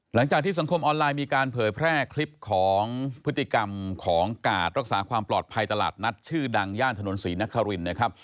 หลังจากที่สังคมออนไลน์มีการเผยแพร่คลิปของพฤติกรรมของกาดรักษาความปลอดภัยตลาดนัดชื่อดังย่านถนนศรีนครินนะครับ